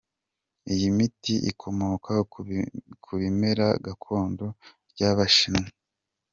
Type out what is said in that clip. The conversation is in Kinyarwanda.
Iyi miti ikomoka Ku bimera gakondo ry’abashinwa.